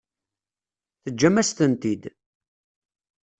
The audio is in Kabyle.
Teǧǧam-as-tent-id.